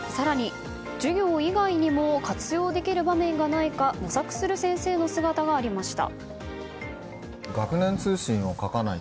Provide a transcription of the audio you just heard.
更に、授業以外にも活用できる場面がないか模索する先生の姿がありました。